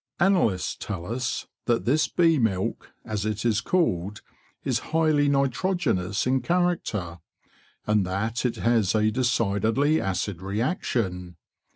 Analysts tell us that this bee milk, as it is called, is highly nitrogenous in character, and that it has a decidedly acid reaction.